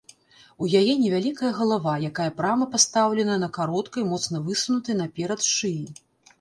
У яе невялікая галава, якая прама пастаўлена на кароткай, моцна высунутай наперад шыі.